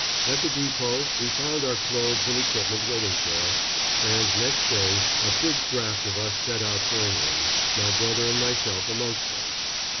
At the depot we found our clothes and equipment waiting for us, and next day a big draft of us set out for England, my brother and myself amongst them.